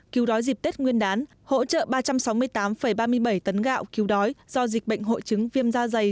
cứu đói dịp tết nguyên đán hỗ trợ ba trăm sáu mươi tám ba mươi bảy tấn gạo cứu đói do dịch bệnh hội chứng viêm da dày